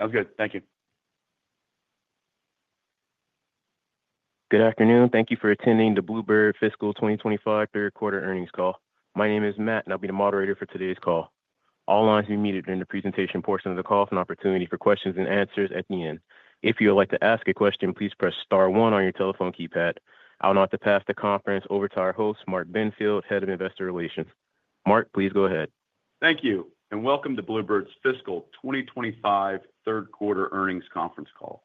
Sounds good. Thank you. Good afternoon. Thank you for attending the Blue Bird Fiscal 2024 Quarterly Earnings Call. My name is Matt, and I'll be the moderator for today's call. All lines will be muted during the presentation portion of the call for an opportunity for questions and answers at the end. If you would like to ask a question, please press star one on your telephone keypad. I will now pass the conference over to our host, Mark Benfield, Head of Investor Relations. Mark, please go ahead. Thank you, and welcome to Blue Bird's Fiscal 2025 Third Quarter Earnings Conference Call.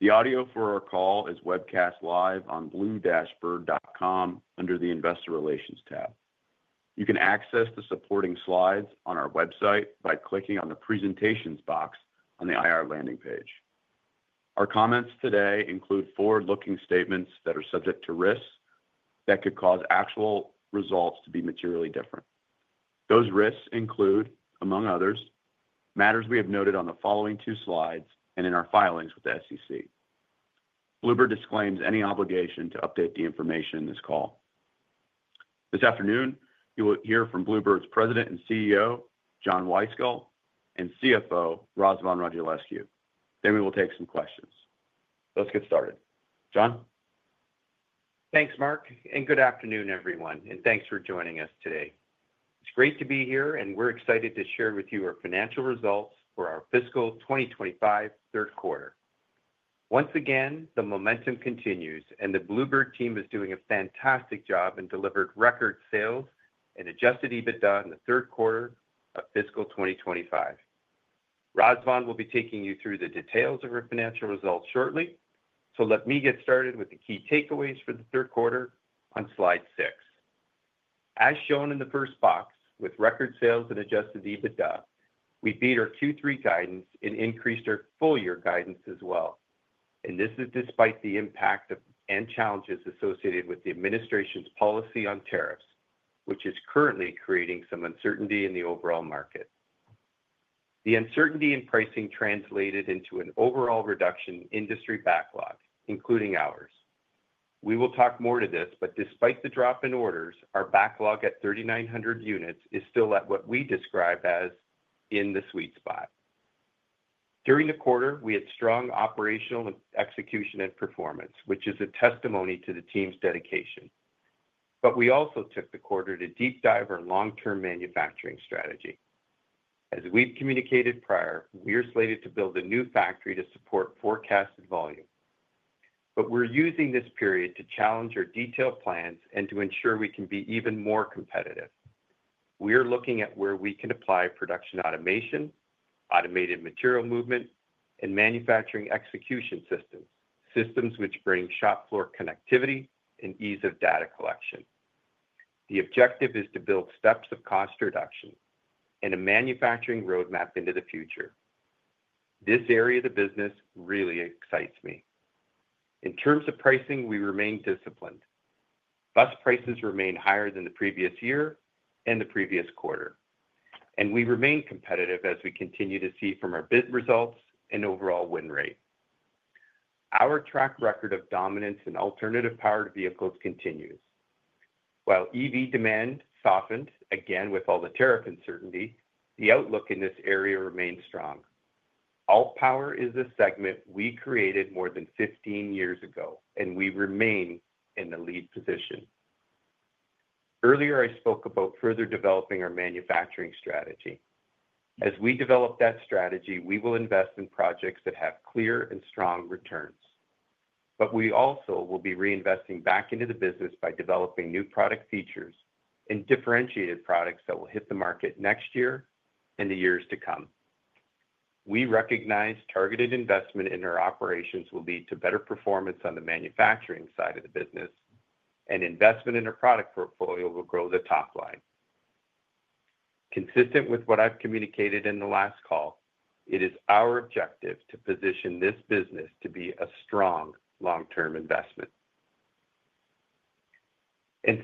The audio for our call is webcast live on blue-bird.com under the Investor Relations tab. You can access the supporting slides on our website by clicking on the Presentations box on the IR landing page. Our comments today include forward-looking statements that are subject to risks that could cause actual results to be materially different. Those risks include, among others, matters we have noted on the following two slides and in our filings with the SEC. Blue Bird disclaims any obligation to update the information in this call. This afternoon, you will hear from Blue Bird's President and CEO, John Wyskiel, and CFO, Razvan Radulescu. We will take some questions. Let's get started. John? Thanks, Mark, and good afternoon, everyone, and thanks for joining us today. It's great to be here, and we're excited to share with you our financial results for our Fiscal 2025 Third Quarter. Once again, the momentum continues, and the Blue Bird team is doing a fantastic job and delivered record sales and adjusted EBITDA in the third quarter of Fiscal 2025. Razvan will be taking you through the details of our financial results shortly, so let me get started with the key takeaways for the third quarter on slide six. As shown in the first box, with record sales and adjusted EBITDA, we beat our Q3 guidance and increased our full-year guidance as well. This is despite the impact and challenges associated with the administration's policy on tariffs, which is currently creating some uncertainty in the overall market. The uncertainty in pricing translated into an overall reduction in industry backlog, including ours. We will talk more to this, but despite the drop in orders, our backlog at 3,900 units is still at what we describe as "in the sweet spot." During the quarter, we had strong operational execution and performance, which is a testimony to the team's dedication. We also took the quarter to deep dive our long-term manufacturing strategy. As we've communicated prior, we are slated to build a new factory to support forecasted volume. We're using this period to challenge our detailed plans and to ensure we can be even more competitive. We are looking at where we can apply production automation, automated material movement, and manufacturing execution systems, systems which bring shop floor connectivity and ease of data collection. The objective is to build steps of cost reduction and a manufacturing roadmap into the future. This area of the business really excites me. In terms of pricing, we remain disciplined. Bus prices remain higher than the previous year and the previous quarter. We remain competitive as we continue to see from our bid results and overall win rate. Our track record of dominance in alternative-powered vehicles continues. While EV demand softened again with all the tariff uncertainty, the outlook in this area remains strong. All power is the segment we created more than 15 years ago, and we remain in the lead position. Earlier, I spoke about further developing our manufacturing strategy. As we develop that strategy, we will invest in projects that have clear and strong returns. We also will be reinvesting back into the business by developing new product features and differentiated products that will hit the market next year and the years to come. We recognize targeted investment in our operations will lead to better performance on the manufacturing side of the business, and investment in our product portfolio will grow the top line. Consistent with what I've communicated in the last call, it is our objective to position this business to be a strong long-term investment.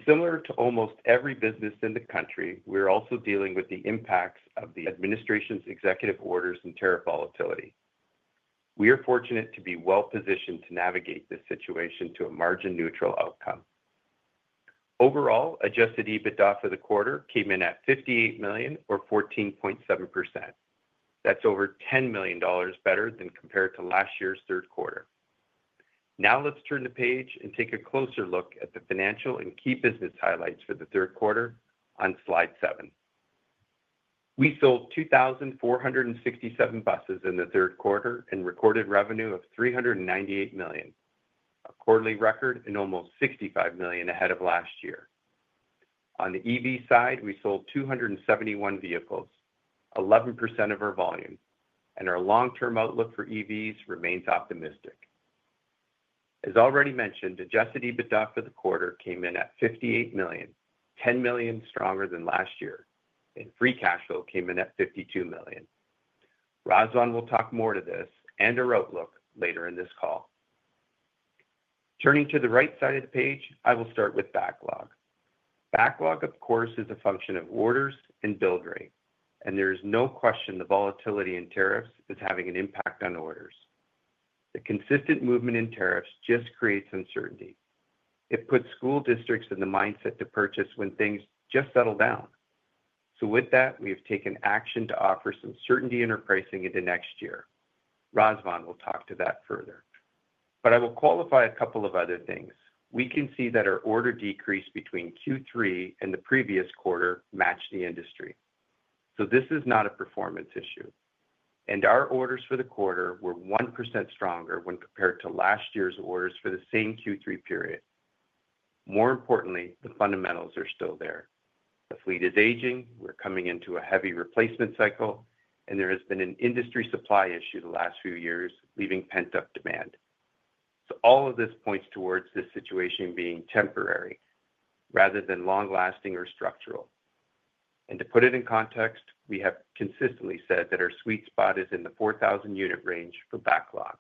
Similar to almost every business in the country, we're also dealing with the impacts of the administration's executive orders and tariff volatility. We are fortunate to be well-positioned to navigate this situation to a margin-neutral outcome. Overall, adjusted EBITDA for the quarter came in at $58 million, or 14.7%. That's over $10 million better than compared to last year's third quarter. Now let's turn the page and take a closer look at the financial and key business highlights for the third quarter on slide seven. We sold 2,467 buses in the third quarter and recorded revenue of $398 million, a quarterly record and almost $65 million ahead of last year. On the EV side, we sold 271 vehicles, 11% of our volume, and our long-term outlook for EVs remains optimistic. As already mentioned, adjusted EBITDA for the quarter came in at $58 million, $10 million stronger than last year, and free cash flow came in at $52 million. Razvan will talk more to this and our outlook later in this call. Turning to the right side of the page, I will start with backlog. Backlog, of course, is a function of orders and build rate, and there is no question the volatility in tariffs is having an impact on orders. The consistent movement in tariffs just creates uncertainty. It puts school districts in the mindset to purchase when things just settle down. With that, we have taken action to offer some certainty in our pricing into next year. Razvan will talk to that further. I will qualify a couple of other things. We can see that our order decrease between Q3 and the previous quarter matched the industry. This is not a performance issue. Our orders for the quarter were 1% stronger when compared to last year's orders for the same Q3 period. More importantly, the fundamentals are still there. The fleet is aging, we're coming into a heavy replacement cycle, and there has been an industry supply issue the last few years, leaving pent-up demand. All of this points towards this situation being temporary rather than long-lasting or structural. To put it in context, we have consistently said that our sweet spot is in the 4,000-unit range for backlog.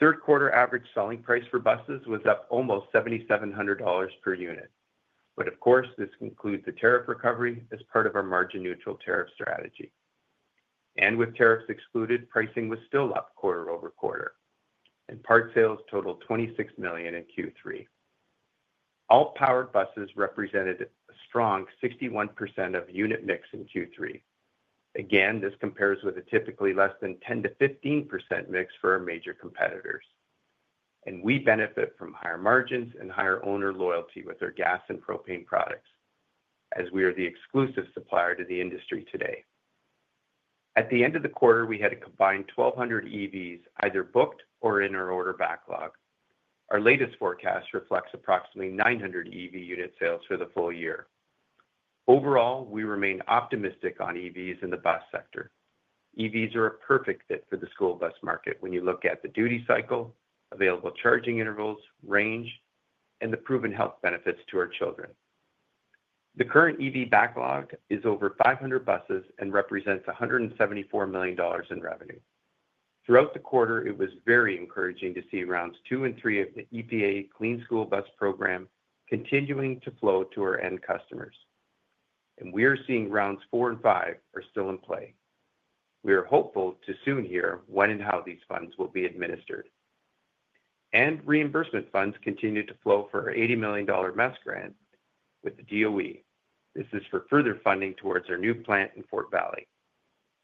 Third quarter average selling price for buses was up almost $7,700 per unit. This includes a tariff recovery as part of our margin-neutral tariff strategy. With tariffs excluded, pricing was still up quarter over quarter. Part sales totaled $26 million in Q3. All-powered buses represented a strong 61% of unit mix in Q3. This compares with a typically less than 10%-15% mix for our major competitors. We benefit from higher margins and higher owner loyalty with our gas and propane products, as we are the exclusive supplier to the industry today. At the end of the quarter, we had a combined 1,200 EVs either booked or in our order backlog. Our latest forecast reflects approximately 900 EV unit sales for the full year. Overall, we remain optimistic on EVs in the bus sector. EVs are a perfect fit for the school bus market when you look at the duty cycle, available charging intervals, range, and the proven health benefits to our children. The current EV backlog is over 500 buses and represents $174 million in revenue. Throughout the quarter, it was very encouraging to see rounds two and three of the EPA Clean School Bus Program continuing to flow to our end customers. We are seeing rounds four and five are still in play. We are hopeful to soon hear when and how these funds will be administered. Reimbursement funds continue to flow for our $80 million MEST grant with the DOE. This is for further funding towards our new plant in Fort Valley,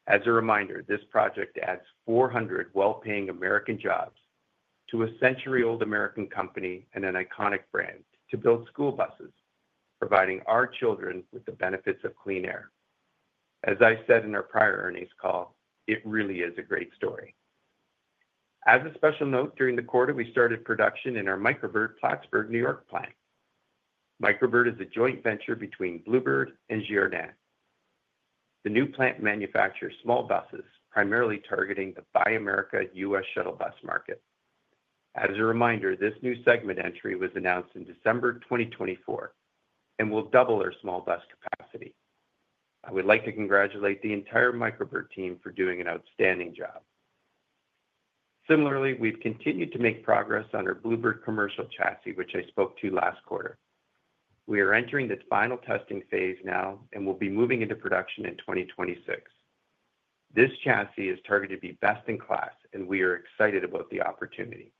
Georgia. As a reminder, this project adds 400 well-paying American jobs to a century-old American company and an iconic brand to build school buses, providing our children with the benefits of clean air. As I said in our prior earnings call, it really is a great story. As a special note, during the quarter, we started production in our Micro Bird Plattsburgh, New York plant. Micro Bird is a joint venture between Blue Bird and GRNET. The new plant manufactures small buses, primarily targeting the Buy America U.S. shuttle bus market. This new segment entry was announced in December 2024 and will double our small bus capacity. I would like to congratulate the entire Micro Bird team for doing an outstanding job. Similarly, we've continued to make progress on our Blue Bird commercial chassis, which I spoke to last quarter. We are entering its final testing phase now and will be moving into production in 2026. This chassis is targeted to be best in class, and we are excited about the opportunity.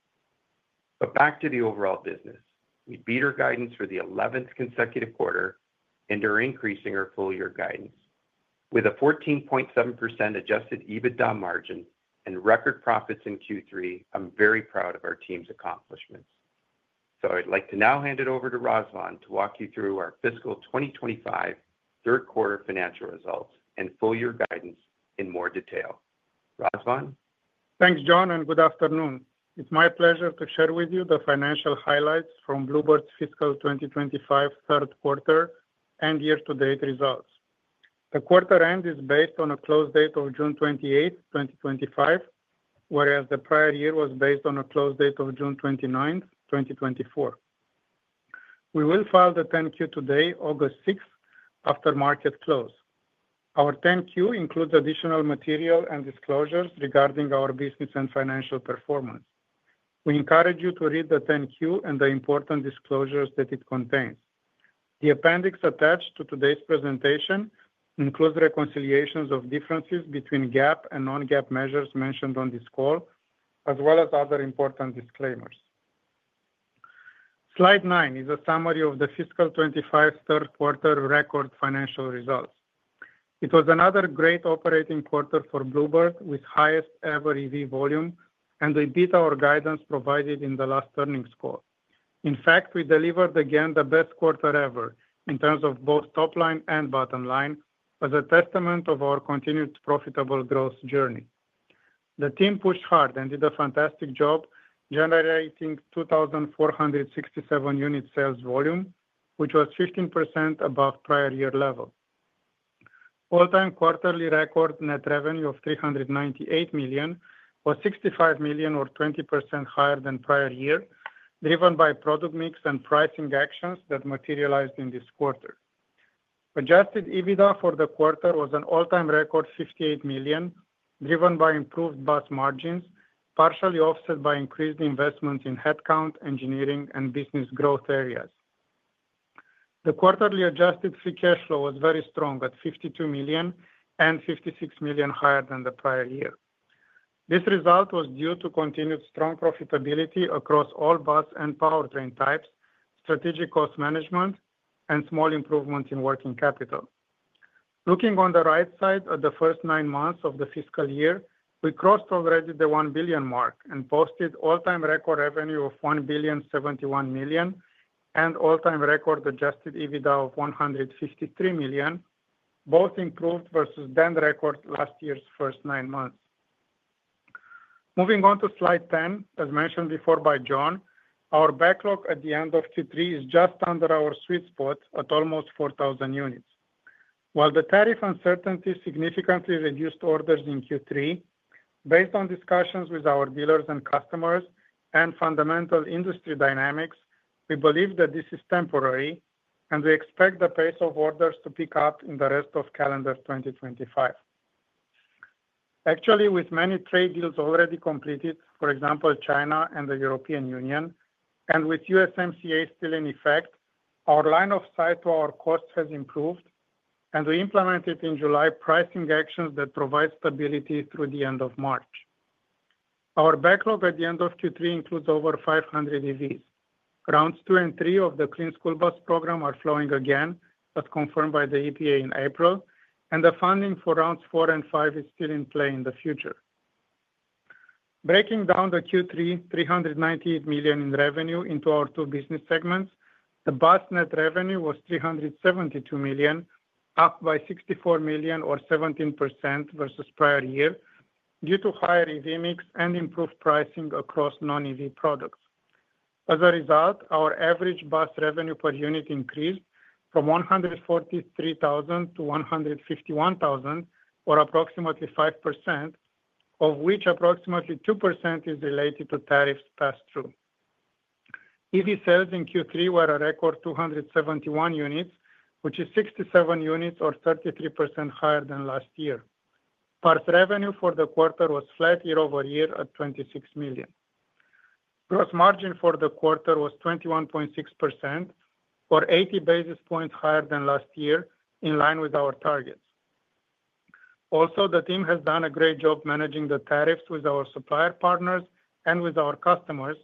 Back to the overall business, we beat our guidance for the 11th consecutive quarter and are increasing our full-year guidance. With a 14.7% adjusted EBITDA margin and record profits in Q3, I'm very proud of our team's accomplishments. I'd like to now hand it over to Razvan to walk you through our Fiscal 2025 Third Quarter financial results and full-year guidance in more detail. Razvan? Thanks, John, and good afternoon. It's my pleasure to share with you the financial highlights from Blue Bird's Fiscal 2025 Third Quarter and year-to-date results. The quarter end is based on a close date of June 28th, 2025, whereas the prior year was based on a close date of June 29th, 2024. We will file the 10-Q today, August 6th, after market close. Our 10-Q includes additional material and disclosures regarding our business and financial performance. We encourage you to read the 10-Q and the important disclosures that it contains. The appendix attached to today's presentation includes reconciliations of differences between GAAP and non-GAAP measures mentioned on this call, as well as other important disclaimers. Slide nine is a summary of the Fiscal 2025 Third Quarter record financial results. It was another great operating quarter for Blue Bird with the highest ever EV volume and the EBITDA or guidance provided in the last earnings call. In fact, we delivered again the best quarter ever in terms of both top line and bottom line as a testament of our continued profitable growth journey. The team pushed hard and did a fantastic job generating 2,467 unit sales volume, which was 15% above prior year level. All-time quarterly record net revenue of $398 million was $65 million, or 20% higher than prior year, driven by product mix and pricing actions that materialized in this quarter. Adjusted EBITDA for the quarter was an all-time record $58 million, driven by improved bus margins, partially offset by increased investments in headcount, engineering, and business growth areas. The quarterly adjusted free cash flow was very strong at $52 million-$56 million higher than the prior year. This result was due to continued strong profitability across all bus and powertrain types, strategic cost management, and small improvements in working capital. Looking on the right side of the first nine months of the fiscal year, we crossed already the $1 billion mark and posted all-time record revenue of $1.071 billion and all-time record adjusted EBITDA of $153 million, both improved versus the record last year's first nine months. Moving on to slide 10, as mentioned before by John, our backlog at the end of Q3 is just under our sweet spot at almost 4,000 units. While the tariff uncertainty significantly reduced orders in Q3, based on discussions with our dealers and customers and fundamental industry dynamics, we believe that this is temporary and we expect the pace of orders to pick up in the rest of calendar 2025. Actually, with many trade deals already completed, for example, China and the European Union, and with USMCA still in effect, our line of sight to our costs has improved, and we implemented in July pricing actions that provide stability through the end of March. Our backlog at the end of Q3 includes over 500 EVs. Rounds two and three of the Clean School Bus Program are flowing again, as confirmed by the EPA in April, and the funding for rounds four and five is still in play in the future. Breaking down the Q3 $398 million in revenue into our two business segments, the bus net revenue was $372 million, up by $64 million, or 17% versus prior year, due to higher EV mix and improved pricing across non-EV products. As a result, our average bus revenue per unit increased from $143,000-$151,000, or approximately 5%, of which approximately 2% is related to tariffs passed through. EV sales in Q3 were a record 271 units, which is 67 units, or 33% higher than last year. Part revenue for the quarter was flat year-over-year at $26 million. Gross margin for the quarter was 21.6%, or 80 basis points higher than last year, in line with our targets. Also, the team has done a great job managing the tariffs with our supplier partners and with our customers,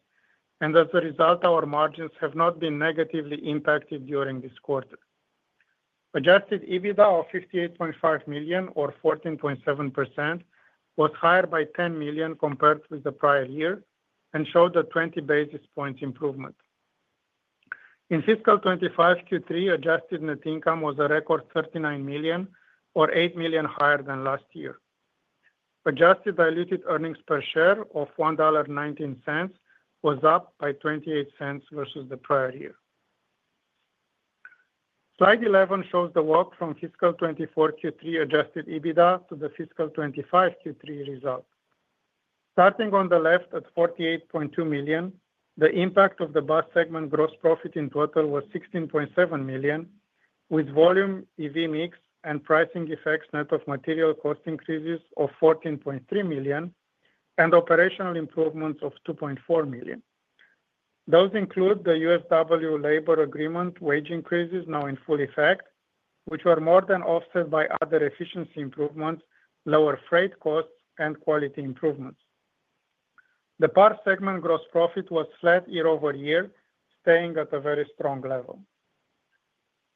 and as a result, our margins have not been negatively impacted during this quarter. Adjusted EBITDA of $58.5 million, or 14.7%, was higher by $10 million compared with the prior year and showed a 20 basis points improvement. In Fiscal 2025 Q3, adjusted net income was a record $39 million, or $8 million higher than last year. Adjusted diluted earnings per share of $1.19 was up by $0.28 versus the prior year. Slide 11 shows the work from Fiscal 2024 Q3 adjusted EBITDA to the Fiscal 2025 Q3 result. Starting on the left at $48.2 million, the impact of the bus segment gross profit in total was $16.7 million, with volume, EV mix, and pricing effects net of material cost increases of $14.3 million and operational improvements of $2.4 million. Those include the USW labor agreement wage increases now in full effect, which were more than offset by other efficiency improvements, lower freight costs, and quality improvements. The parts segment gross profit was flat year-over-year, staying at a very strong level.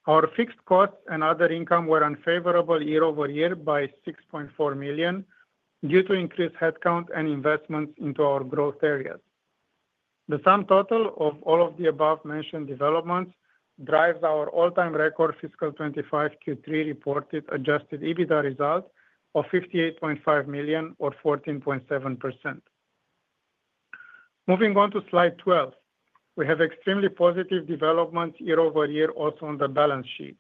Our fixed costs and other income were unfavorable year-over-year by $6.4 million due to increased headcount and investments into our growth areas. The sum total of all of the above-mentioned developments drives our all-time record Fiscal 2025 Q3 reported adjusted EBITDA result of $58.5 million, or 14.7%. Moving on to slide 12, we have extremely positive developments year-over-year also on the balance sheet.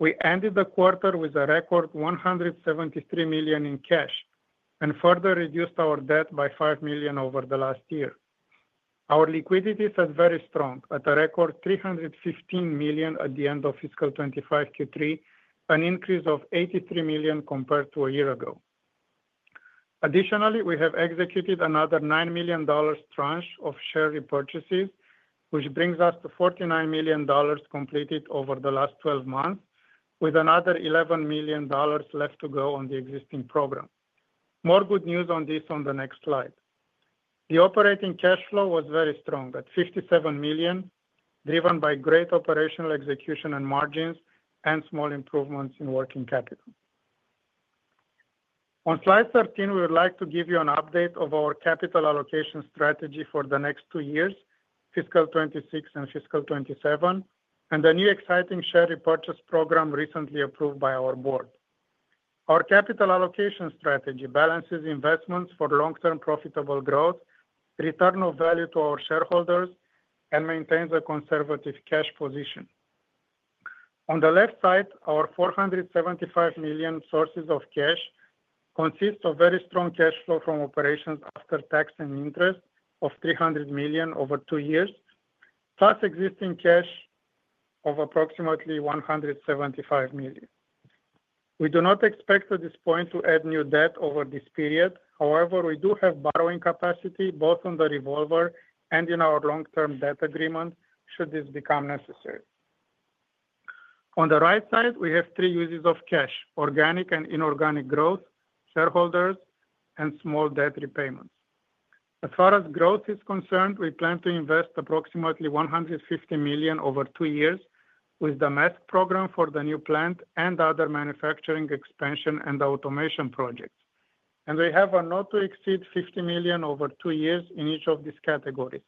We ended the quarter with a record $173 million in cash and further reduced our debt by $5 million over the last year. Our liquidity sat very strong at a record $315 million at the end of Fiscal 2025 Q3, an increase of $83 million compared to a year ago. Additionally, we have executed another $9 million tranche of share repurchases, which brings us to $49 million completed over the last 12 months, with another $11 million left to go on the existing program. More good news on this on the next slide. The operating cash flow was very strong at $57 million, driven by great operational execution and margins and small improvements in working capital. On slide 13, we would like to give you an update of our capital allocation strategy for the next two years, Fiscal 2026 and Fiscal 2027, and the new exciting share repurchase program recently approved by our board. Our capital allocation strategy balances investments for long-term profitable growth, return of value to our shareholders, and maintains a conservative cash position. On the left side, our $475 million sources of cash consist of very strong cash flow from operations after tax and interest of $300 million over two years, plus existing cash of approximately $175 million. We do not expect at this point to add new debt over this period. However, we do have borrowing capacity both on the revolver and in our long-term debt agreement should this become necessary. On the right side, we have three uses of cash: organic and inorganic growth, shareholders, and small debt repayment. As far as growth is concerned, we plan to invest approximately $150 million over two years with the MEST program for the new plant and other manufacturing expansion and automation projects. We have a not to exceed $50 million over two years in each of these categories: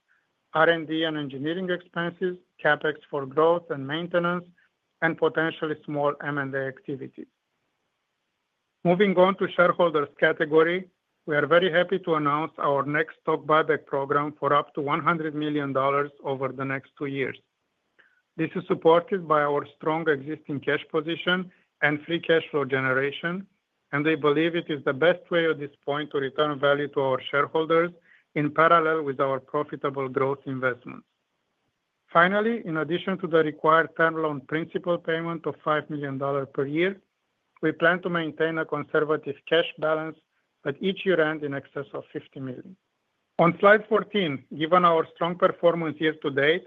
R&D and engineering expenses, CapEx for growth and maintenance, and potentially small M&A activities. Moving on to shareholders' category, we are very happy to announce our next stock buyback program for up to $100 million over the next two years. This is supported by our strong existing cash position and free cash flow generation, and we believe it is the best way at this point to return value to our shareholders in parallel with our profitable growth investments. Finally, in addition to the required term loan principal payment of $5 million per year, we plan to maintain a conservative cash balance at each year end in excess of $50 million. On slide 14, given our strong performance year to date,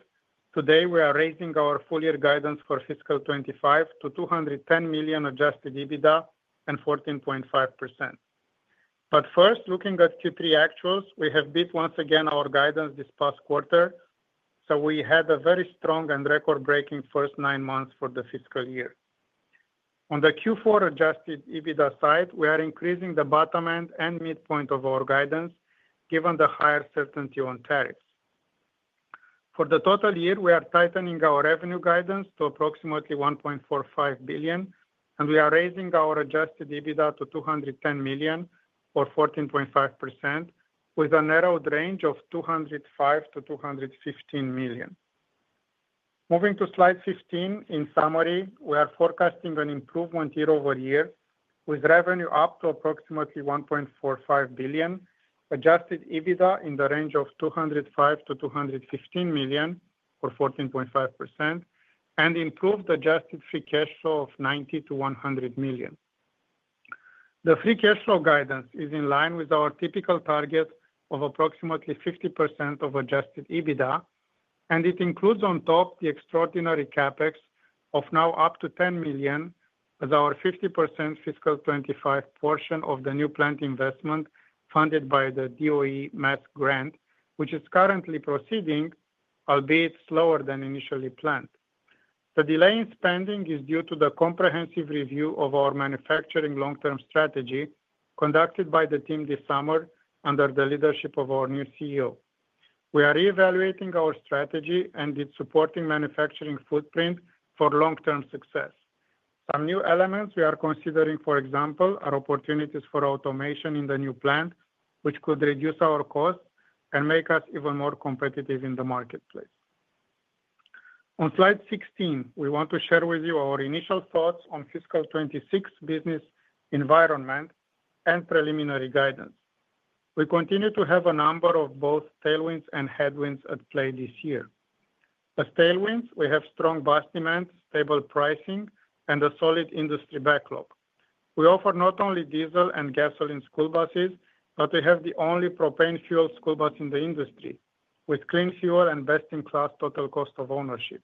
today we are raising our full-year guidance for Fiscal 2025 to $210 million adjusted EBITDA and 14.5%. First, looking at Q3 actuals, we have beat once again our guidance this past quarter, so we had a very strong and record-breaking first nine months for the fiscal year. On the Q4 adjusted EBITDA side, we are increasing the bottom end and midpoint of our guidance given the higher certainty on tariffs. For the total year, we are tightening our revenue guidance to approximately $1.45 billion, and we are raising our adjusted EBITDA to $210 million, or 14.5%, with a narrowed range of $205 million-$215 million. Moving to slide 15, in summary, we are forecasting an improvement year-over-year with revenue up to approximately $1.45 billion, adjusted EBITDA in the range of $205 million-$215 million, or 14.5%, and improved adjusted free cash flow of $90 million-$100 million. The free cash flow guidance is in line with our typical target of approximately 50% of adjusted EBITDA, and it includes on top the extraordinary CapEx of now up to $10 million as our 50% Fiscal 2025 portion of the new plant investment funded by the DOE MEST grant, which is currently proceeding, albeit slower than initially planned. The delay in spending is due to the comprehensive review of our manufacturing long-term strategy conducted by the team this summer under the leadership of our new CEO. We are reevaluating our strategy and its supporting manufacturing footprint for long-term success. Some new elements we are considering, for example, are opportunities for automation in the new plant, which could reduce our costs and make us even more competitive in the marketplace. On slide 16, we want to share with you our initial thoughts on Fiscal 2026 business environment and preliminary guidance. We continue to have a number of both tailwinds and headwinds at play this year. As tailwinds, we have strong bus demand, stable pricing, and a solid industry backlog. We offer not only diesel and gasoline school buses, but we have the only propane-fueled school bus in the industry, with clean fuel and best-in-class total cost of ownership.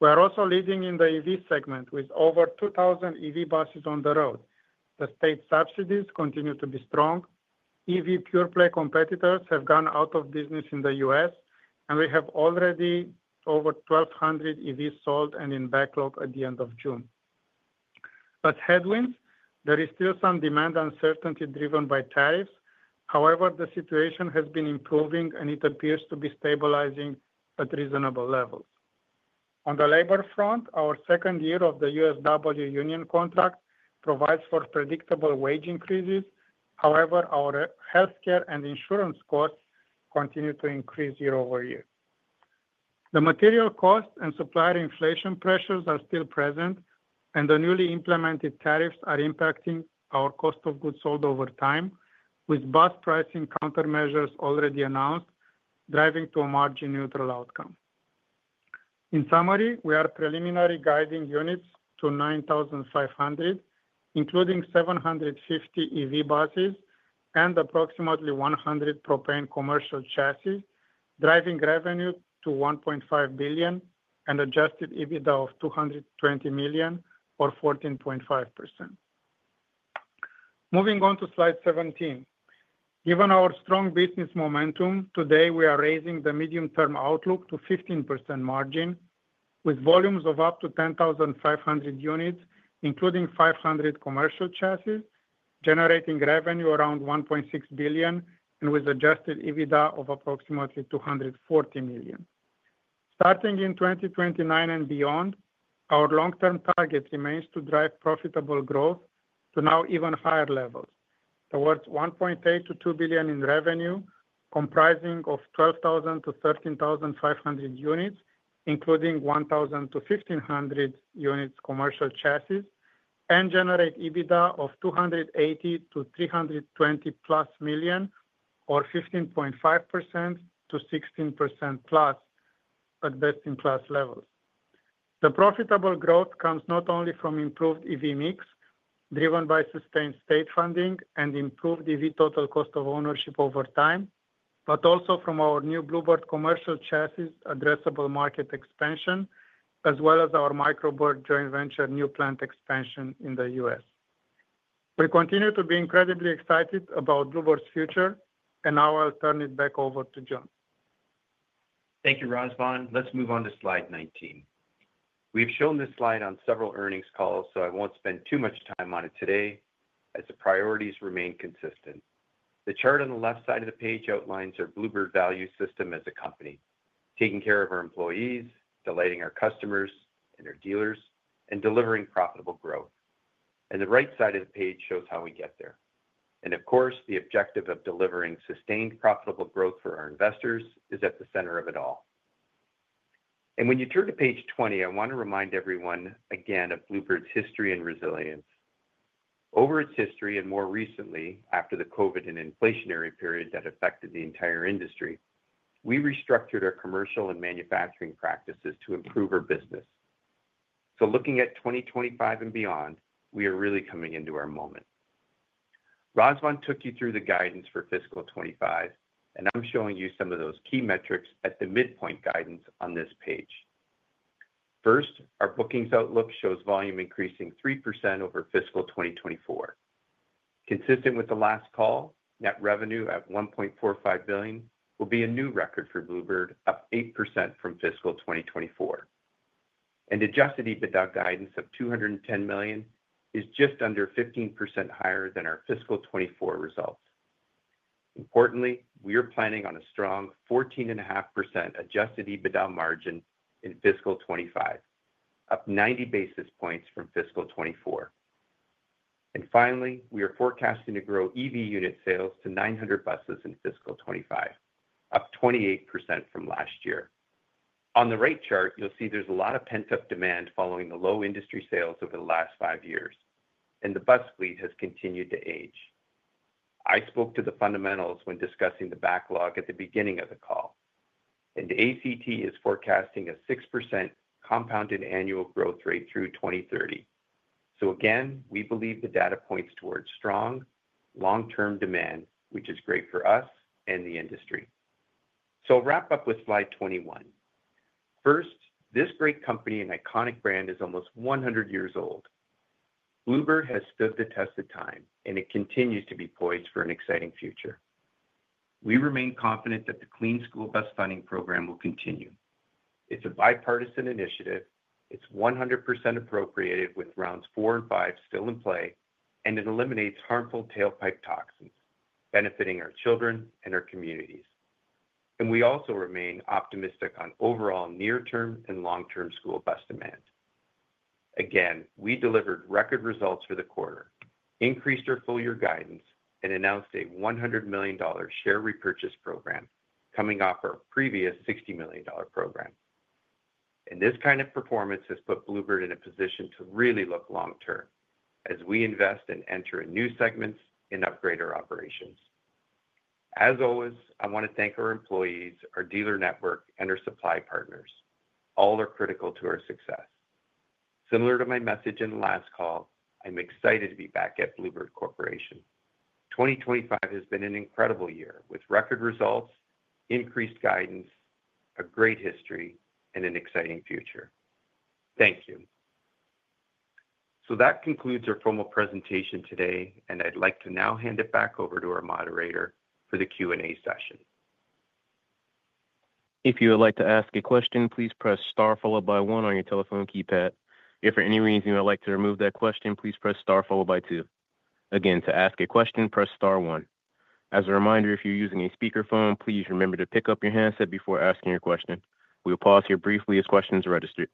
We are also leading in the EV segment with over 2,000 EV buses on the road. The state subsidies continue to be strong. EV pure play competitors have gone out of business in the U.S., and we have already over 1,200 EVs sold and in backlog at the end of June. As headwinds, there is still some demand uncertainty driven by tariffs. However, the situation has been improving, and it appears to be stabilizing at a reasonable level. On the labor front, our second year of the USW union contract provides for predictable wage increases. However, our healthcare and insurance costs continue to increase year-over-year. The material costs and supplier inflation pressures are still present, and the newly implemented tariffs are impacting our cost of goods sold over time, with bus pricing countermeasures already announced driving to a margin-neutral outcome. In summary, we are preliminary guiding units to 9,500, including 750 EV buses and approximately 100 propane commercial chassis, driving revenue to $1.5 billion and adjusted EBITDA of $220 million, or 14.5%. Moving on to slide 17, given our strong business momentum, today we are raising the medium-term outlook to 15% margin, with volumes of up to 10,500 units, including 500 commercial chassis, generating revenue around $1.6 billion and with adjusted EBITDA of approximately $240 million. Starting in 2029 and beyond, our long-term target remains to drive profitable growth to now even higher levels, towards $1.8 billion-$2 billion in revenue, comprising of 12,000-13,500 units, including 1,000-1,500 units commercial chassis, and generate EBITDA of $280 million-$320 million+, or 15.5% to 16%+ at best-in-class level. The profitable growth comes not only from improved EV mix driven by sustained state funding and improved EV total cost of ownership over time, but also from our new Blue Bird commercial chassis addressable market expansion, as well as our MicroBird joint venture new plant expansion in the U.S. We continue to be incredibly excited about Blue Bird's future, and now I'll turn it back over to John. Thank you, Razvan. Let's move on to slide 19. We've shown this slide on several earnings calls, so I won't spend too much time on it today as the priorities remain consistent. The chart on the left side of the page outlines our Blue Bird value system as a company, taking care of our employees, delighting our customers and our dealers, and delivering profitable growth. The right side of the page shows how we get there. The objective of delivering sustained profitable growth for our investors is at the center of it all. When you turn to page 20, I want to remind everyone again of Blue Bird's history and resilience. Over its history and more recently, after the COVID and inflationary period that affected the entire industry, we restructured our commercial and manufacturing practices to improve our business. Looking at 2025 and beyond, we are really coming into our moment. Razvan took you through the guidance for Fiscal 2025, and I'm showing you some of those key metrics at the midpoint guidance on this page. First, our bookings outlook shows volume increasing 3% over Fiscal 2024. Consistent with the last call, net revenue at $1.45 billion will be a new record for Blue Bird, up 8% from Fiscal 2024. Adjusted EBITDA guidance of $210 million is just under 15% higher than our Fiscal 2024 result. Importantly, we are planning on a strong 14.5% adjusted EBITDA margin in Fiscal 2025, up 90 basis points from Fiscal 2024. Finally, we are forecasting to grow EV unit sales to 900 buses in Fiscal 2025, up 28% from last year. On the right chart, you'll see there's a lot of pent-up demand following the low industry sales over the last five years, and the bus fleet has continued to age. I spoke to the fundamentals when discussing the backlog at the beginning of the call, and ACT is forecasting a 6% compounded annual growth rate through 2030. We believe the data points towards strong long-term demand, which is great for us and the industry. I'll wrap up with slide 21. First, this great company and iconic brand is almost 100 years old. Blue Bird has stood the test of time, and it continues to be poised for an exciting future. We remain confident that the Clean School Bus Funding Program will continue. It's a bipartisan initiative. It's 100% appropriated with rounds four and five still in play, and it eliminates harmful tailpipe toxins benefiting our children and our communities. We also remain optimistic on overall near-term and long-term school bus demand. We delivered record results for the quarter, increased our full-year guidance, and announced a $100 million share repurchase program coming off our previous $60 million program. This kind of performance has put Blue Bird Corporation in a position to really look long-term as we invest and enter new segments and upgrade our operations. As always, I want to thank our employees, our dealer network, and our supply partners. All are critical to our success. Similar to my message in the last call, I'm excited to be back at Blue Bird Corporation. 2025 has been an incredible year with record results, increased guidance, a great history, and an exciting future. Thank you. That concludes our formal presentation today, and I'd like to now hand it back over to our moderator for the Q&A session. If you would like to ask a question, please press star followed by one on your telephone keypad. If for any reason you would like to remove that question, please press star followed by two. Again, to ask a question, press star one. As a reminder, if you're using a speakerphone, please remember to pick up your handset before asking your question. We'll pause here briefly as questions register.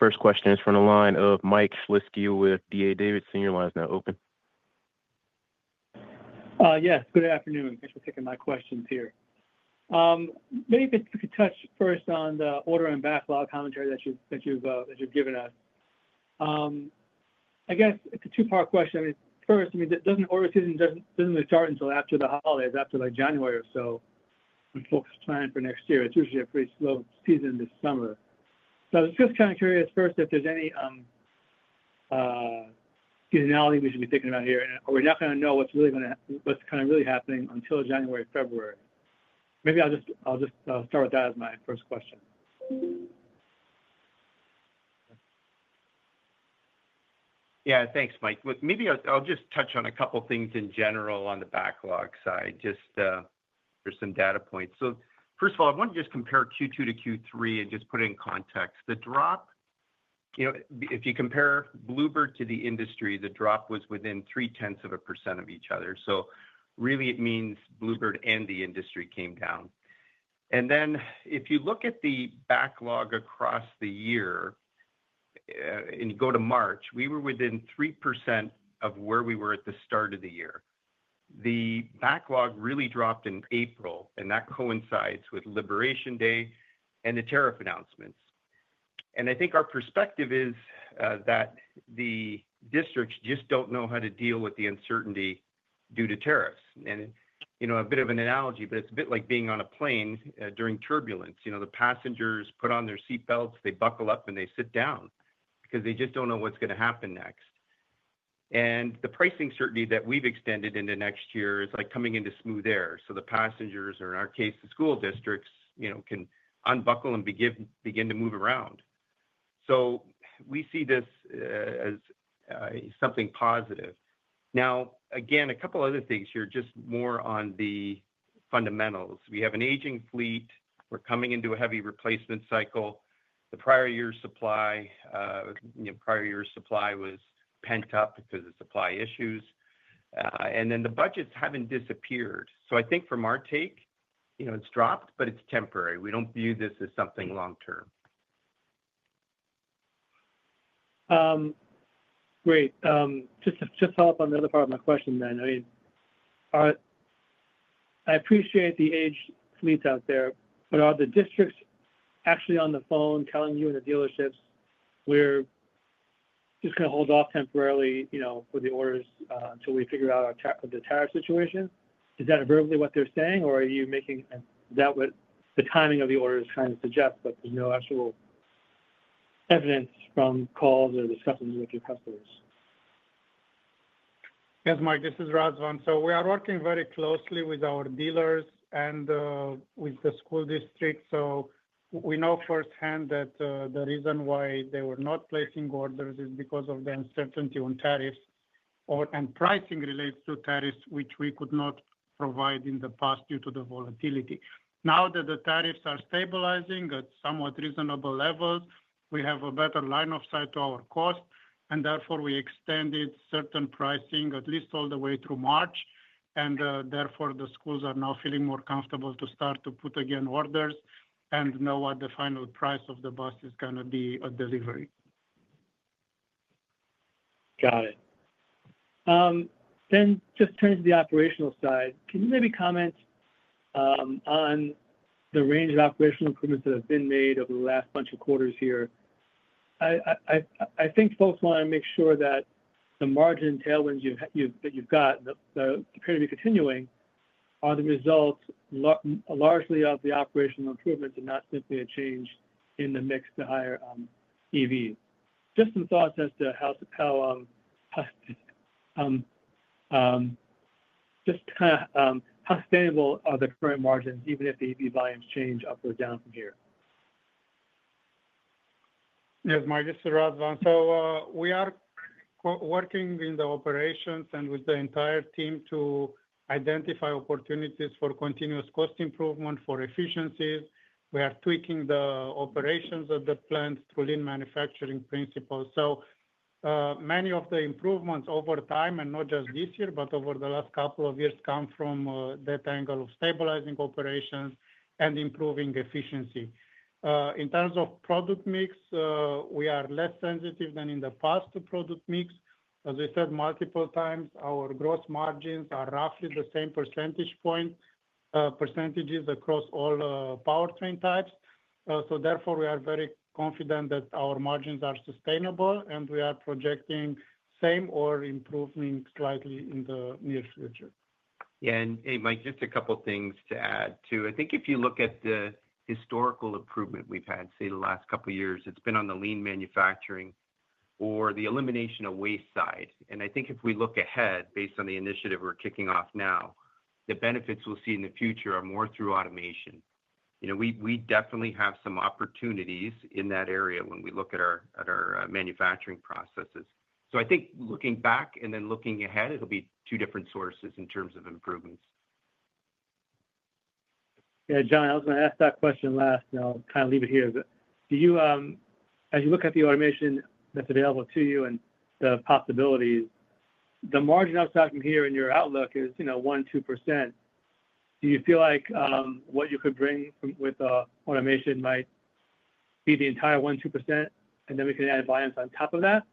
First question is from the line of Mike Shlisky with D.A. Davidson. Your line is now open. Yes. Good afternoon. Thanks for taking my questions here. Maybe if you could touch first on the order and backlog commentary that you've given us. I guess it's a two-part question. I mean, first, doesn't order season really start until after the holidays, after like January or so, when folks plan for next year? It's usually a pretty slow season this summer. I was just kind of curious first if there's any seasonality we should be thinking about here, and we're not going to know what's really happening until January or February. Maybe I'll just start with that as my first question. Yeah. Thanks, Mike. Maybe I'll just touch on a couple of things in general on the backlog side just for some data points. First of all, I want to just compare Q2 to Q3 and just put it in context. The drop, you know, if you compare Blue Bird to the industry, the drop was within 0.3% of each other. It really means Blue Bird and the industry came down. If you look at the backlog across the year and you go to March, we were within 3% of where we were at the start of the year. The backlog really dropped in April, and that coincides with Liberation Day and the tariff announcements. I think our perspective is that the districts just don't know how to deal with the uncertainty due to tariffs. A bit of an analogy, but it's a bit like being on a plane during turbulence. The passengers put on their seat belts, they buckle up, and they sit down because they just don't know what's going to happen next. The pricing certainty that we've extended into next year is like coming into smooth air. The passengers, or in our case, the school districts, can unbuckle and begin to move around. We see this as something positive. Now, a couple of other things here, just more on the fundamentals. We have an aging fleet. We're coming into a heavy replacement cycle. The prior year's supply was pent up because of supply issues. The budgets haven't disappeared. I think from our take, it's dropped, but it's temporary. We don't view this as something long term. Great. Just to follow up on the other part of my question, I appreciate the aged fleets out there, but are the districts actually on the phone telling you and the dealerships, "We're just going to hold off temporarily, you know, with the orders until we figure out the tariff situation"? Is that verbally what they're saying, or are you making that what the timing of the orders kind of suggests, but there's no actual evidence from calls or discussions with your customers? Yes, Mike. This is Razvan. We are working very closely with our dealers and with the school districts. We know firsthand that the reason why they were not placing orders is because of the uncertainty on tariffs and pricing related to tariffs, which we could not provide in the past due to the volatility. Now that the tariffs are stabilizing at somewhat reasonable levels, we have a better line of sight to our costs, and therefore, we extended certain pricing at least all the way through March. The schools are now feeling more comfortable to start to put again orders and know what the final price of the bus is going to be at delivery. Got it. Just turning to the operational side, can you maybe comment on the range of operational improvements that have been made over the last bunch of quarters here? I think folks want to make sure that the margin tailwinds that you've got that appear to be continuing are the result largely of the operational improvements and not simply a change in the mix to higher EVs. Just some thoughts as to how stable are the current margins even if the EV volumes change up or down from here? Yes, Mike. This is Razvan. We are working in the operations and with the entire team to identify opportunities for continuous cost improvement for efficiencies. We are tweaking the operations of the plants through lean manufacturing principles. Many of the improvements over time, and not just this year, but over the last couple of years, come from that angle of stabilizing operations and improving efficiency. In terms of product mix, we are less sensitive than in the past to product mix. As I said multiple times, our gross margins are roughly the same percentage point percentages across all powertrain types. Therefore, we are very confident that our margins are sustainable, and we are projecting the same or improving slightly in the near future. Yeah, Mike, just a couple of things to add too. I think if you look at the historical improvement we've had, say, the last couple of years, it's been on the lean manufacturing or the elimination of waste side. I think if we look ahead based on the initiative we're kicking off now, the benefits we'll see in the future are more through automation. We definitely have some opportunities in that area when we look at our manufacturing processes. I think looking back and then looking ahead, it'll be two different sources in terms of improvements. Yeah, John, I was going to ask that question last, and I'll kind of leave it here. Do you, as you look at the automation that's available to you and the possibilities, the margin I was talking here in your outlook is, you know, 1%, 2%. Do you feel like what you could bring with automation might be the entire 1%, 2%, and then we can add volumes on top of that?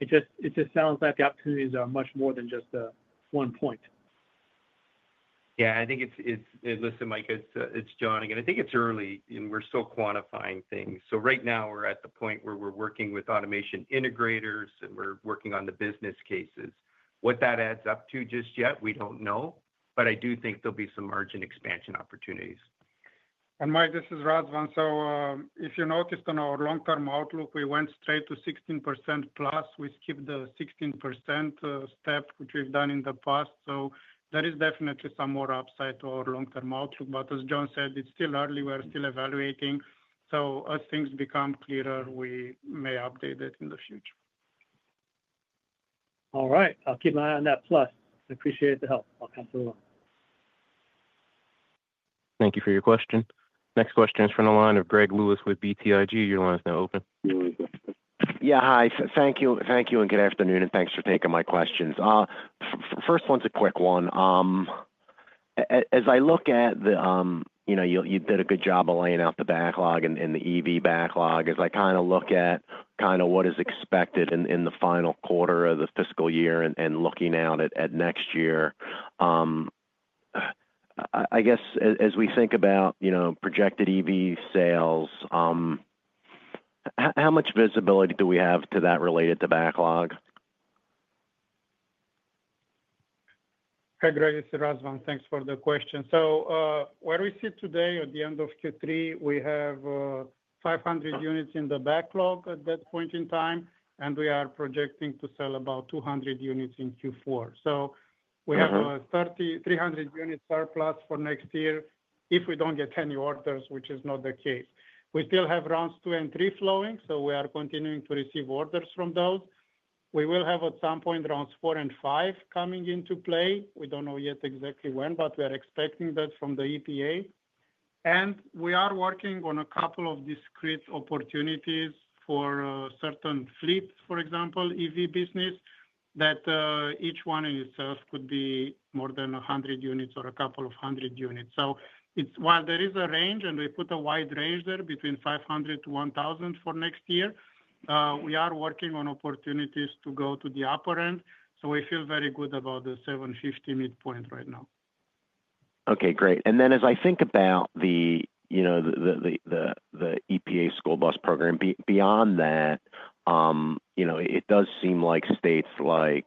It just sounds like the opportunities are much more than just the one point. Yeah, I think it's, listen, Mike, it's John. I think it's early, and we're still quantifying things. Right now, we're at the point where we're working with automation integrators, and we're working on the business cases. What that adds up to just yet, we don't know, but I do think there'll be some margin expansion opportunities. Mike, this is Razvan. If you noticed on our long-term outlook, we went straight to 16%+. We skipped the 16% step, which we've done in the past. There is definitely some more upside to our long-term outlook. As John said, it's still early. We are still evaluating. As things become clearer, we may update it in the future. All right. I'll keep an eye on that. Plus, I appreciate the help. I'll pass it along. Thank you for your question. Next question is from the line of Greg Lewis with BTIG. Your line is now open. Hi. Thank you. Thank you and good afternoon, and thanks for taking my questions. First one's a quick one. As I look at the, you did a good job of laying out the backlog and the EV backlog. As I kind of look at what is expected in the final quarter of the fiscal year and looking out at next year, I guess as we think about projected EV sales, how much visibility do we have to that related to backlog? Hi, Greg. This is Razvan. Thanks for the question. Where we sit today at the end of Q3, we have 500 units in the backlog at that point in time, and we are projecting to sell about 200 units in Q4. We have 300 units surplus for next year if we don't get any orders, which is not the case. We still have rounds two and three flowing, and we are continuing to receive orders from those. We will have at some point rounds four and five coming into play. We don't know yet exactly when, but we are expecting that from the EPA. We are working on a couple of discrete opportunities for certain fleets, for example, EV business that each one in itself could be more than 100 units or a couple of hundred units. While there is a range, and we put a wide range there between 500-1,000 for next year, we are working on opportunities to go to the upper end. We feel very good about the $750 midpoint right now. Okay. Great. As I think about the EPA school bus program, beyond that, it does seem like states like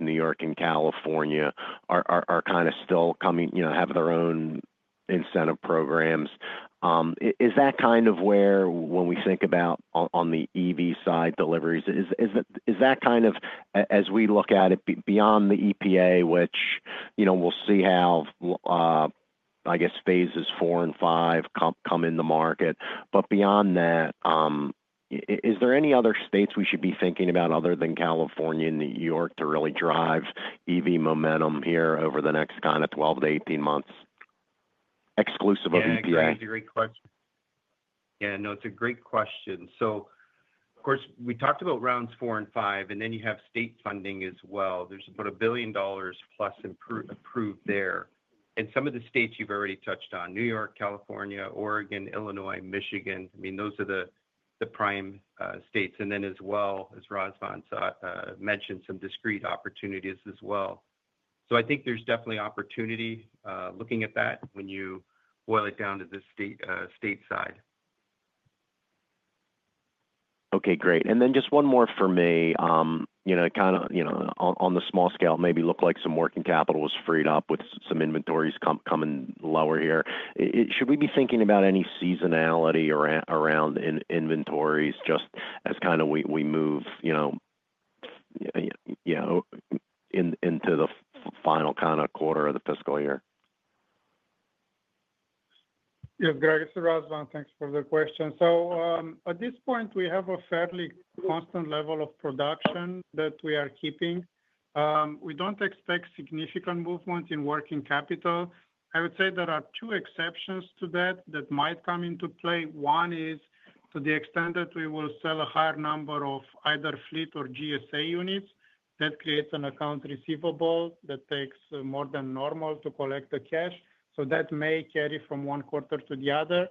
New York and California are still coming, you know, have their own incentive programs. Is that where, when we think about on the EV side deliveries, as we look at it beyond the EPA, which we'll see how phases IV and V come in the market, beyond that, are there any other states we should be thinking about other than California and New York to really drive EV momentum here over the next 12-18 months, exclusive of EPA? Yeah. No, it's a great question. Of course, we talked about rounds four and five, and then you have state funding as well. There's about $1 billion+ approved there. Some of the states you've already touched on: New York, California, Oregon, Illinois, Michigan. Those are the prime states, as well as Razvan mentioned some discrete opportunities as well. I think there's definitely opportunity looking at that when you boil it down to the state stateside. Okay. Great. Just one more for me. On the small scale, maybe it looked like some working capital was freed up with some inventories coming lower here. Should we be thinking about any seasonality around inventories as we move into the final quarter of the fiscal year? Yes, Greg. It's Razvan. Thanks for the question. At this point, we have a fairly constant level of production that we are keeping. We don't expect significant movements in working capital. I would say there are two exceptions to that that might come into play. One is to the extent that we will sell a higher number of either fleet or GSA units. That creates an account receivable that takes more than normal to collect the cash. That may carry from one quarter to the other.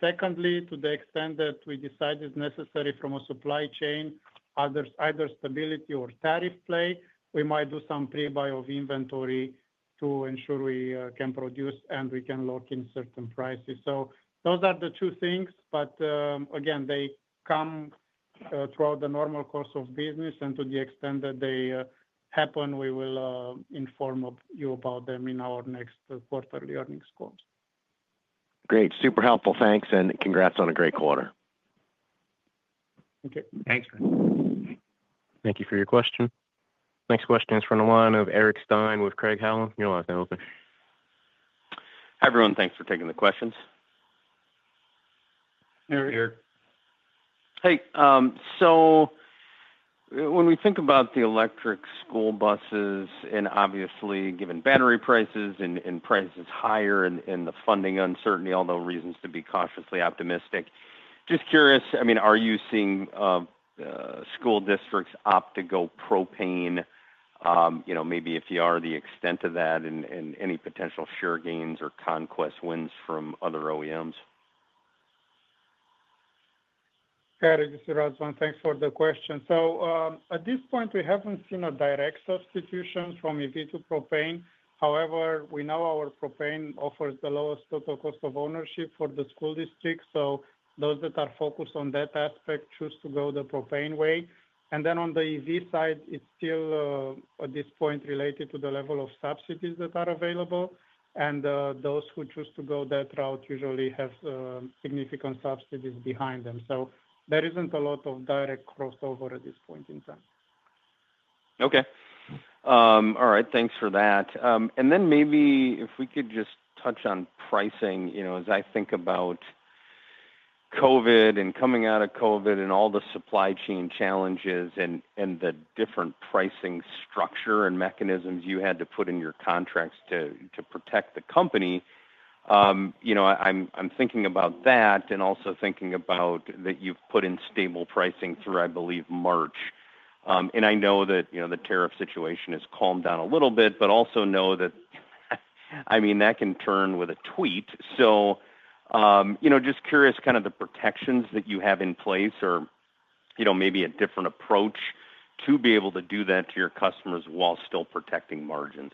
Secondly, to the extent that we decide it's necessary from a supply chain, either stability or tariff play, we might do some pre-buy of inventory to ensure we can produce and we can lock in certain prices. Those are the two things. They come throughout the normal course of business. To the extent that they happen, we will inform you about them in our next quarterly earnings calls. Great. Super helpful. Thanks, and congrats on a great quarter. Okay. Thanks, Greg. Thank you for your question. Next question is from the line of Eric Stine with Craig-Hallum. Your line is now open. Hi, everyone. Thanks for taking the questions. You're here. When we think about the electric school buses, and obviously given battery prices and prices higher and the funding uncertainty, although reasons to be cautiously optimistic, just curious, are you seeing school districts opt to go propane? Maybe if you are the extent of that and any potential share gains or conquest wins from other OEMs? Hey, this is Razvan. Thanks for the question. At this point, we haven't seen a direct substitution from EV to propane. However, we know our propane offers the lowest total cost of ownership for the school districts. Those that are focused on that aspect choose to go the propane way. On the EV side, it's still at this point related to the level of subsidies that are available. Those who choose to go that route usually have significant subsidies behind them. There isn't a lot of direct crossover at this point in time. Okay. All right. Thanks for that. Maybe if we could just touch on pricing, you know, as I think about COVID and coming out of COVID and all the supply chain challenges and the different pricing structure and mechanisms you had to put in your contracts to protect the company, you know, I'm thinking about that and also thinking about that you've put in stable pricing through, I believe, March. I know that, you know, the tariff situation has calmed down a little bit, but also know that, I mean, that can turn with a tweet. Just curious kind of the protections that you have in place or, you know, maybe a different approach to be able to do that to your customers while still protecting margins.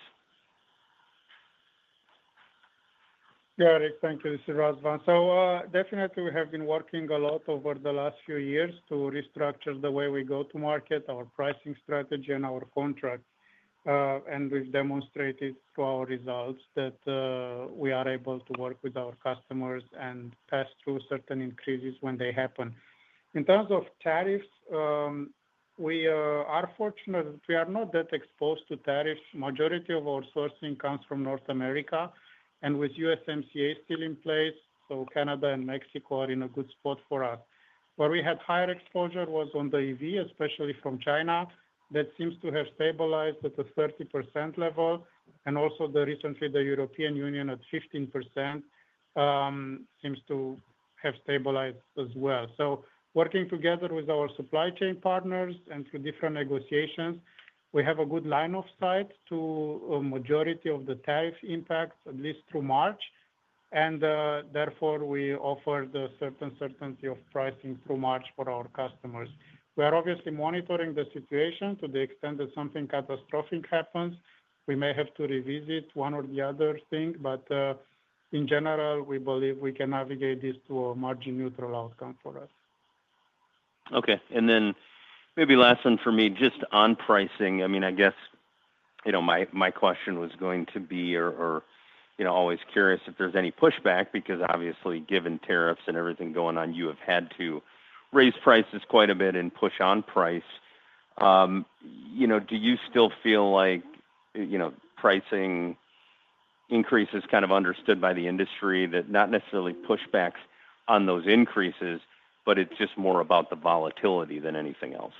Yeah, Eric, thank you. This is Razvan. Definitely, we have been working a lot over the last few years to restructure the way we go to market, our pricing strategy, and our contract. We've demonstrated through our results that we are able to work with our customers and pass through certain increases when they happen. In terms of tariffs, we are fortunate that we are not that exposed to tariffs. The majority of our sourcing comes from North America. With USMCA still in place, Canada and Mexico are in a good spot for us. Where we had higher exposure was on the EV, especially from China. That seems to have stabilized at a 30% level. Also, recently, the European Union at 15% seems to have stabilized as well. Working together with our supply chain partners and through different negotiations, we have a good line of sight to a majority of the tariff impacts, at least through March. Therefore, we offer the certainty of pricing through March for our customers. We are obviously monitoring the situation. To the extent that something catastrophic happens, we may have to revisit one or the other thing. In general, we believe we can navigate this to a margin-neutral outcome for us. Okay. Maybe last one for me, just on pricing. I mean, I guess my question was going to be, or always curious if there's any pushback because obviously, given tariffs and everything going on, you have had to raise prices quite a bit and push on price. Do you still feel like pricing increases are kind of understood by the industry, that not necessarily pushbacks on those increases, but it's just more about the volatility than anything else?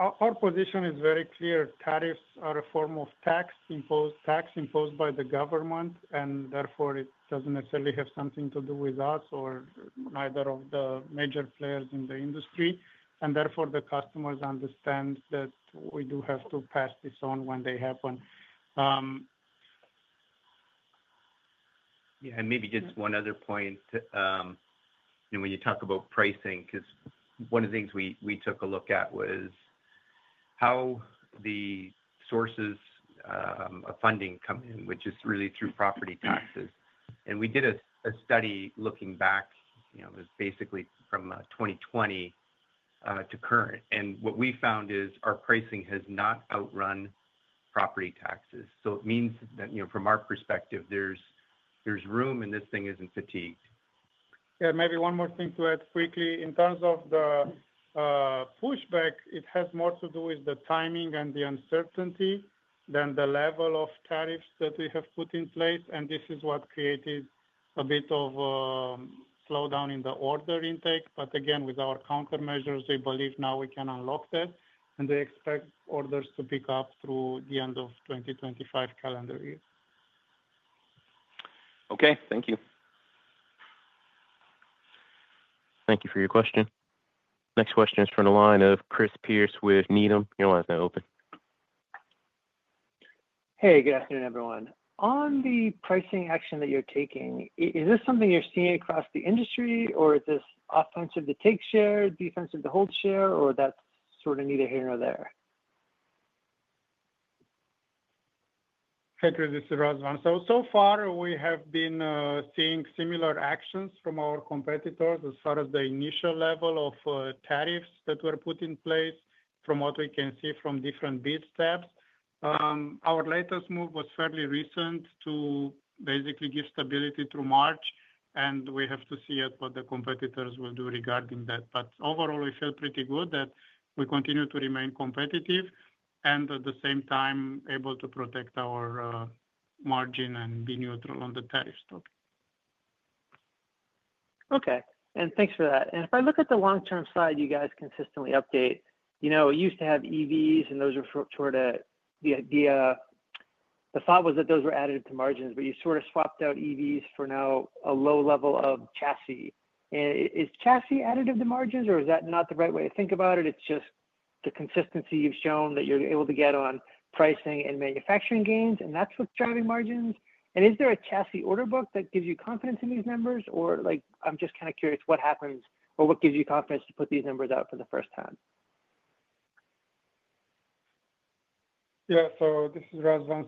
Our position is very clear. Tariffs are a form of tax imposed by the government, and therefore, it doesn't necessarily have something to do with us or either of the major players in the industry. The customers understand that we do have to pass this on when they happen. Maybe just one other point. You know, when you talk about pricing, because one of the things we took a look at was how the sources of funding come in, which is really through property taxes. We did a study looking back, you know, it was basically from 2020 to current. What we found is our pricing has not outrun property taxes. It means that, you know, from our perspective, there's room and this thing isn't fatigued. Yeah. Maybe one more thing to add quickly. In terms of the pushback, it has more to do with the timing and the uncertainty than the level of tariffs that we have put in place. This is what created a bit of a slowdown in the order intake. Again, with our countermeasures, we believe now we can unlock that, and we expect orders to pick up through the end of the 2025 calendar year. Okay. Thank you. Thank you for your question. Next question is from the line of Chris Pierce with Needham. Your line is now open. Hey, good afternoon, everyone. On the pricing action that you're taking, is this something you're seeing across the industry, or is this offensive to take share, defensive to hold share, or that's sort of neither here nor there? Hey, Chris. This is Razvan. So far, we have been seeing similar actions from our competitors as far as the initial level of tariffs that were put in place, from what we can see from different bid steps. Our latest move was fairly recent to basically give stability through March. We have to see what the competitors will do regarding that. Overall, we feel pretty good that we continue to remain competitive and at the same time, able to protect our margin and be neutral on the tariffs topic. Okay. Thanks for that. If I look at the long-term slide you guys consistently update, you know, it used to have EVs, and those were sort of the idea. The thought was that those were additive to margins, but you sort of swapped out EVs for now a low level of chassis. Is chassis additive to margins, or is that not the right way to think about it? It's just the consistency you've shown that you're able to get on pricing and manufacturing gains, and that's what's driving margins. Is there a chassis order book that gives you confidence in these numbers, or like I'm just kind of curious what happens or what gives you confidence to put these numbers out for the first time? Yeah. This is Razvan.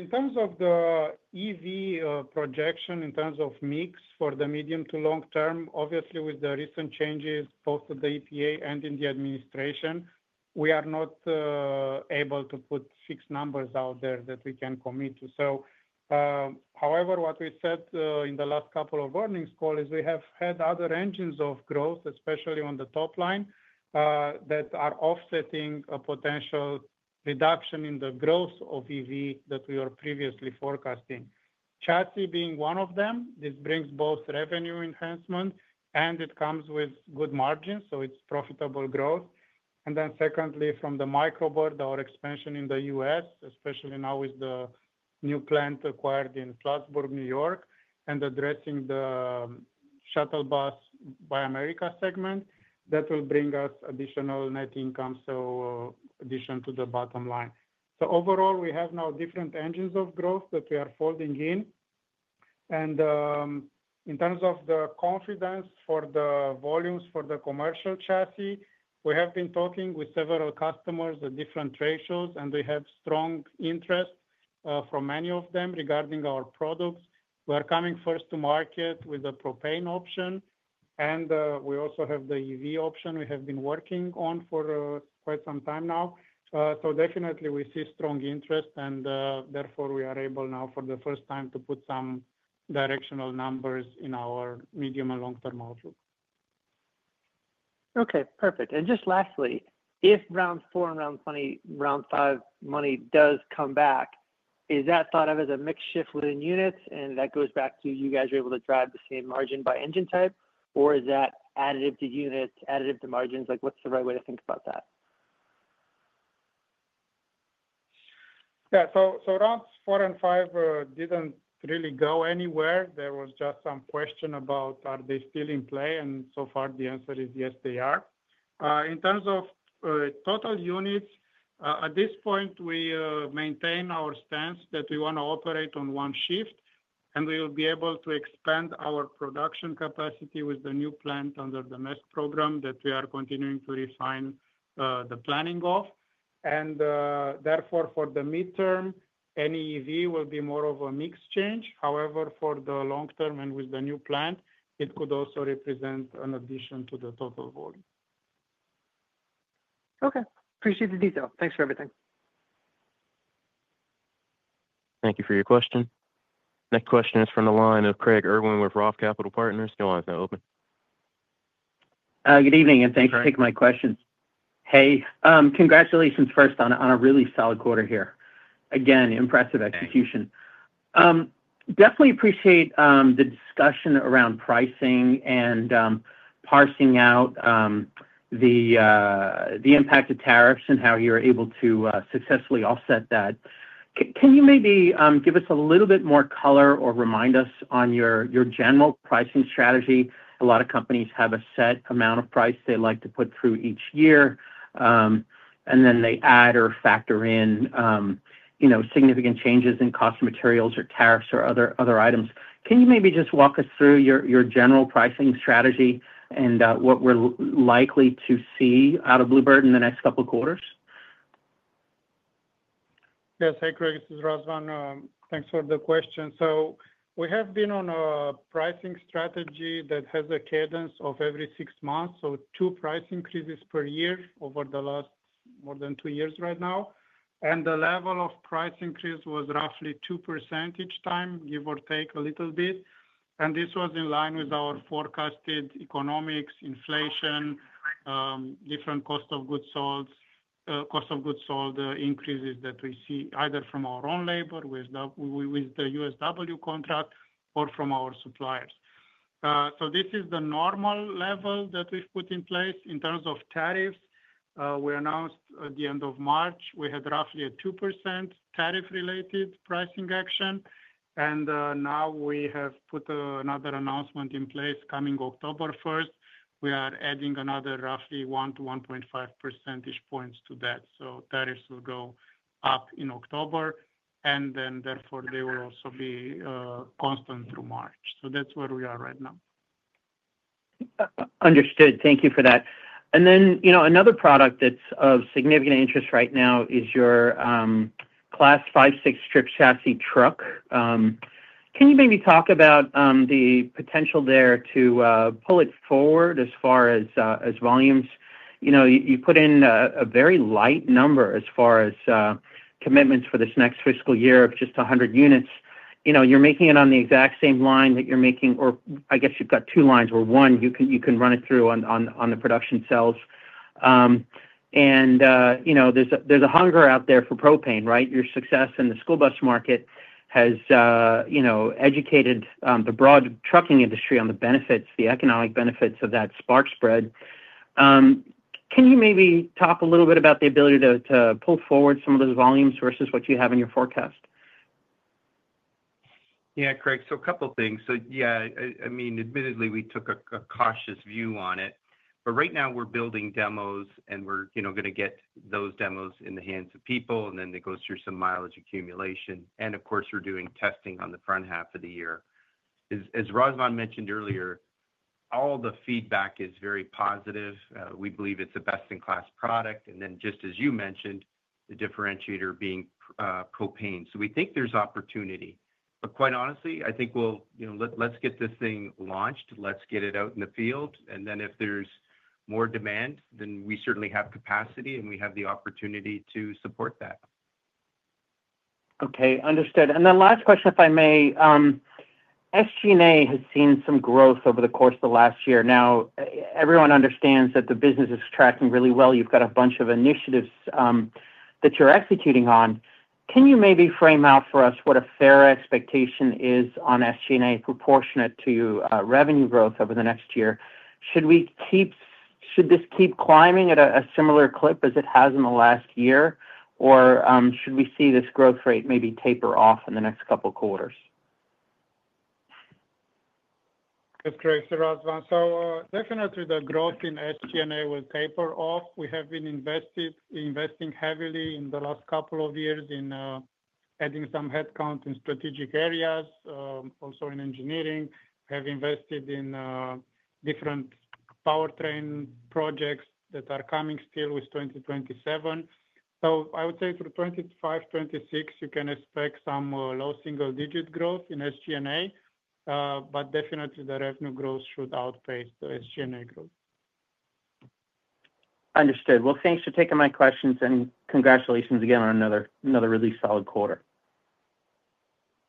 In terms of the EV projection, in terms of mix for the medium to long term, obviously, with the recent changes both at the EPA and in the administration, we are not able to put fixed numbers out there that we can commit to. However, what we said in the last couple of earnings calls is we have had other engines of growth, especially on the top line, that are offsetting a potential reduction in the growth of EV that we were previously forecasting. Chassis being one of them, this brings both revenue enhancement, and it comes with good margins, so it's profitable growth. Secondly, from the Micro Bird, our expansion in the U.S., especially now with the new plant acquired in Plattsburgh, New York, and addressing the shuttle bus by America segment, that will bring us additional net income, so addition to the bottom line. Overall, we have now different engines of growth that we are folding in. In terms of the confidence for the volumes for the commercial chassis, we have been talking with several customers at different ratios, and we have strong interest from many of them regarding our products. We are coming first to market with the propane option, and we also have the EV option we have been working on for quite some time now. We definitely see strong interest, and therefore, we are able now for the first time to put some directional numbers in our medium and long-term outlook. Okay. Perfect. Just lastly, if round four and round five money does come back, is that thought of as a mix shift within units, and that goes back to you guys are able to drive the same margin by engine type, or is that additive to units, additive to margins? What's the right way to think about that? Yeah. Rounds four and five didn't really go anywhere. There was just some question about are they still in play, and so far, the answer is yes, they are. In terms of total units, at this point, we maintain our stance that we want to operate on one shift, and we will be able to expand our production capacity with the new plant under the MEST program that we are continuing to refine the planning of. Therefore, for the midterm, any EV will be more of a mix change. However, for the long term and with the new plant, it could also represent an addition to the total volume. Okay. Appreciate the detail. Thanks for everything. Thank you for your question. Next question is from the line of Craig Irwin with ROTH Capital Partners. Your line is now open. Good evening, and thanks for taking my question. Congratulations first on a really solid quarter here. Impressive execution. I definitely appreciate the discussion around pricing and parsing out the impact of tariffs and how you're able to successfully offset that. Can you maybe give us a little bit more color or remind us on your general pricing strategy? A lot of companies have a set amount of price they like to put through each year, and then they add or factor in significant changes in cost of materials or tariffs or other items. Can you maybe just walk us through your general pricing strategy and what we're likely to see out of Blue Bird in the next couple of quarters? Yes. Hey, Craig. This is Razvan. Thanks for the question. We have been on a pricing strategy that has a cadence of every six months, so two price increases per year over the last more than two years right now. The level of price increase was roughly 2% each time, give or take a little bit. This was in line with our forecasted economics, inflation, different cost of goods sold, cost of goods sold increases that we see either from our own labor with the USW contract or from our suppliers. This is the normal level that we've put in place. In terms of tariffs, we announced at the end of March, we had roughly a 2% tariff-related pricing action. We have put another announcement in place coming October 1st. We are adding another roughly 1%-1.5% points to that. Tariffs will go up in October, and therefore, they will also be constant through March. That's where we are right now. Understood. Thank you for that. Another product that's of significant interest right now is your Class 5/6 trip chassis truck. Can you maybe talk about the potential there to pull it forward as far as volumes? You put in a very light number as far as commitments for this next fiscal year of just 100 units. You're making it on the exact same line that you're making, or I guess you've got two lines where one, you can run it through on the production cells. There's a hunger out there for propane, right? Your success in the school bus market has educated the broad trucking industry on the benefits, the economic benefits of that spark spread. Can you maybe talk a little bit about the ability to pull forward some of those volumes versus what you have in your forecast? Yeah, Craig. A couple of things. I mean, admittedly, we took a cautious view on it. Right now, we're building demos, and we're going to get those demos in the hands of people, and then it goes through some mileage accumulation. Of course, we're doing testing on the front half of the year. As Razvan mentioned earlier, all the feedback is very positive. We believe it's a best-in-class product. Just as you mentioned, the differentiator being propane. We think there's opportunity. Quite honestly, I think we'll, you know, let's get this thing launched. Let's get it out in the field. If there's more demand, then we certainly have capacity, and we have the opportunity to support that. Okay. Understood. Last question, if I may. SG&A has seen some growth over the course of the last year. Now, everyone understands that the business is tracking really well. You've got a bunch of initiatives that you're executing on. Can you maybe frame out for us what a fair expectation is on SG&A proportionate to revenue growth over the next year? Should we keep, should this keep climbing at a similar clip as it has in the last year, or should we see this growth rate maybe taper off in the next couple of quarters? That's great. Razvan, the growth in SG&A will definitely taper off. We have been investing heavily in the last couple of years in adding some headcount in strategic areas, also in engineering. We have invested in different powertrain projects that are coming still with 2027. I would say through 2025-2026, you can expect some low single-digit growth in SG&A. The revenue growth should outpace the SG&A growth. Understood. Thanks for taking my questions, and congratulations again on another really solid quarter.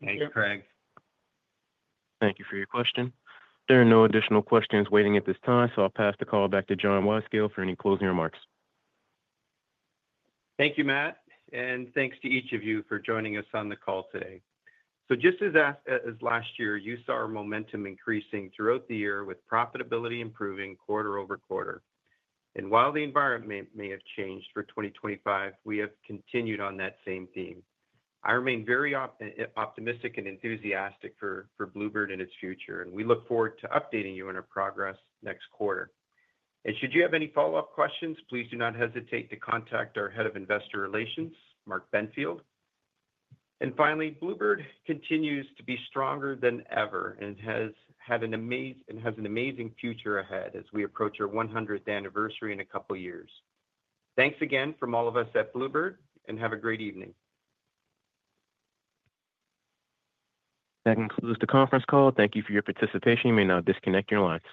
Thank you, Craig. Thank you for your question. There are no additional questions waiting at this time, so I'll pass the call back to John Wyskiel for any closing remarks. Thank you, Matt. Thank you to each of you for joining us on the call today. Just as last year, you saw our momentum increasing throughout the year with profitability improving quarter over quarter. While the environment may have changed for 2025, we have continued on that same theme. I remain very optimistic and enthusiastic for Blue Bird and its future, and we look forward to updating you on our progress next quarter. Should you have any follow-up questions, please do not hesitate to contact our Head of Investor Relations, Mark Benfield. Finally, Blue Bird continues to be stronger than ever and has an amazing future ahead as we approach our 100th anniversary in a couple of years. Thanks again from all of us at Blue Bird, and have a great evening. That concludes the conference call. Thank you for your participation. You may now disconnect your lines.